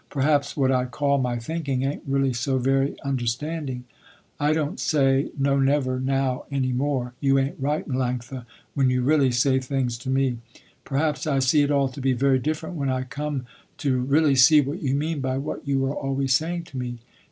"Perhaps what I call my thinking ain't really so very understanding. I don't say, no never now any more, you ain't right, Melanctha, when you really say things to me. Perhaps I see it all to be very different when I come to really see what you mean by what you are always saying to me."